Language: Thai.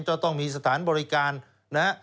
จะต้องมีสถานบริการนะฮะ